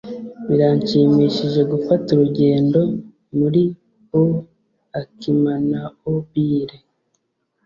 Birashimishije gufata urugendo muri auAkimanaobile.